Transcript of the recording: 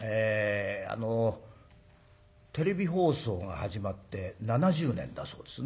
あのテレビ放送が始まって７０年だそうですね。